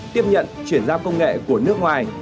tiếp nhận chuyển giao công nghệ của nước ngoài